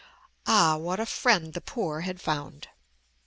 Ah, what a friend the poor had found!